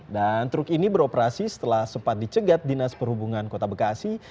dan truk ini beroperasi setelah sempat dicegat dinas perhubungan kota bekasi